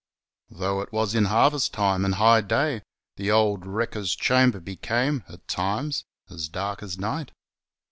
Though it was in harvest time and high day, the old wrecker's chamber became, at times, as dark as night.